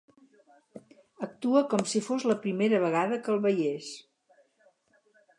Actua com si fos la primera vegada que el veiés.